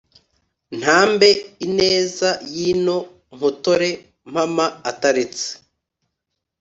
Ntambe ineza y’ino Mpotore Mpama ateretse,